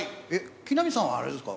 木南さんはあれですか？